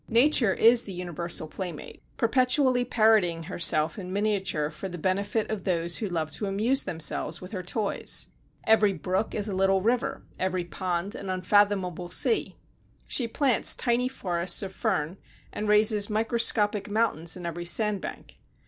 Nature is the universal playmate, perpetually parodying herself in miniature for the benefit of those who love to amuse themselves with her toys. Every brook is a little river, every pond an unfathomable sea. She plants tiny forests of fern and raises microscopic mountains in every sand bank.